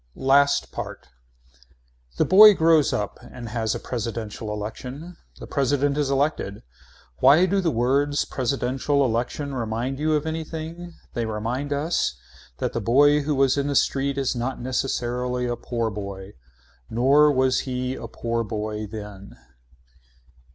LAST PART The boy grows up and has a presidential election. The president is elected. Why do the words presidential election remind you of anything. They remind us that the boy who was in the street is not necessarily a poor boy. Nor was he a poor boy then.